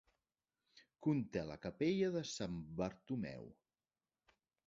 Conté la capella de Sant Bartomeu.